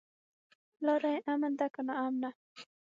لاره يې امن ده که ناامنه؟